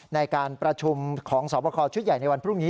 ในการประชุมของสอบคอชุดใหญ่ในวันพรุ่งนี้